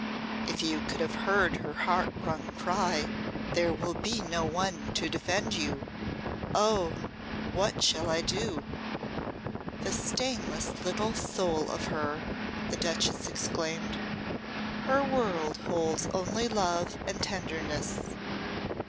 If you could have heard her heart wrung cry, 'There will be no one to defend you! Oh! What shall I do!'" "The stainless little soul of her!" the Duchess exclaimed. "Her world holds only love and tenderness.